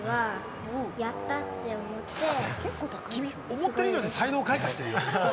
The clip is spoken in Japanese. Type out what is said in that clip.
思った以上に才能も開花してるよ。